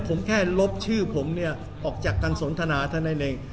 ผมแค่ลบชื่อผมเนี่ยออกจากการสนทนาเท่านั้นเอง